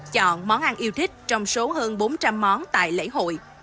chọn món ăn yêu thích trong số hơn bốn trăm linh món tại lễ hội